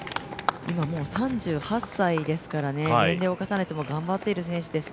今、３８歳ですからね、年齢を重ねても頑張っている選手です